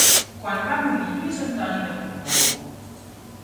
Quan va morir Lluís Antoni de Borbó?